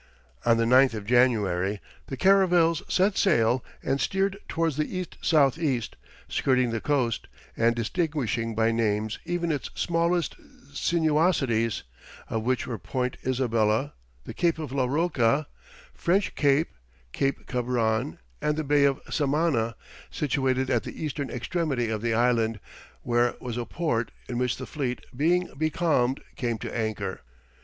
On the 9th of January the caravels set sail and steered towards the east south east, skirting the coast, and distinguishing by names even its smallest sinuosities; of such were point Isabella, the cape of La Roca, French Cape, Cape Cabron, and the Bay of Samana, situated at the eastern extremity of the island, where was a port, in which the fleet, being becalmed, came to anchor.